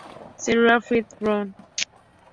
Cellular Field de los Medias Rojas de Chicago.